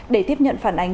để tiếp nhận phản ánh